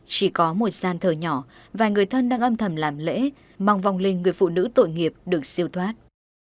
chỉ có một gian thờ nhỏ và người thân đang âm thầm làm lễ mong vòng linh người phụ nữ tội nghiệp được siêu thoát